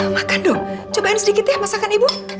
makan dong cobain sedikit ya masakan ibu